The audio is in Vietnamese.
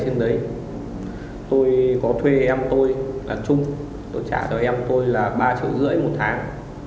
nói chung tôi trả cho em tôi là ba triệu rưỡi một tháng